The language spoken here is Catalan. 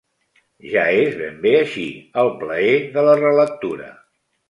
Ja és ben bé així, el plaer de la relectura.